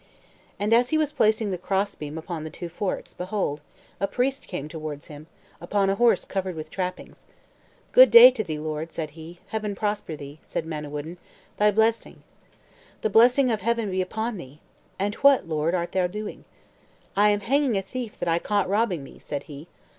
And as he was placing the cross beam upon the two forks, behold, a priest came towards him, upon a horse covered with trappings. "Good day to thee, lord," said he. "Heaven prosper thee!" said Manawyddan; "thy blessing." "The blessing of Heaven be upon thee! And what, lord, art thou doing?" "I am hanging a thief that I caught robbing me," said he.